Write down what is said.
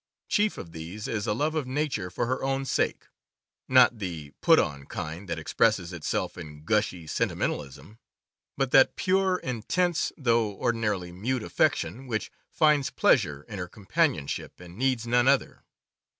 Chief of these is a love of nature for her own sake — not the "put on" kind that expresses itself in gushy sentimentalism, but that pure, intense, though ordinarily mute affection which finds pleasure in her companionship and needs none other.